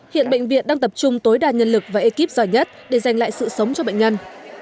hiện bệnh viện đang tập trung tối đa nhân lực và ekip giỏi nhất để giành lại sự sống cho bệnh nhân